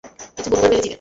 কিছু ভুল করে ফেলেছিলে?